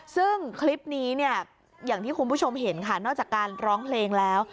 ซึ่งคลิปนี้เนี่ยอย่างที่คุณผู้ชมเห็นค่ะนอกจากการร้องเพลงแล้ว